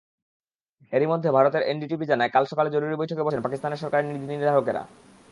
এরই মধ্যে ভারতের এনডিটিভি জানায়, কাল সকালে জরুরি বৈঠকে বসেছেন পাকিস্তান সরকারের নীতিনির্ধারকেরা।